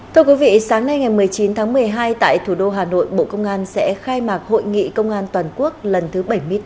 thưa quý vị sáng nay ngày một mươi chín tháng một mươi hai tại thủ đô hà nội bộ công an sẽ khai mạc hội nghị công an toàn quốc lần thứ bảy mươi tám